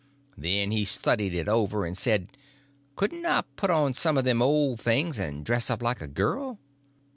Then he studied it over and said, couldn't I put on some of them old things and dress up like a girl?